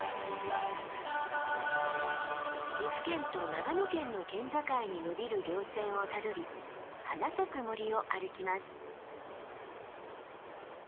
岐阜県と長野県の県境にのびる稜線をたどり花咲く森を歩きます。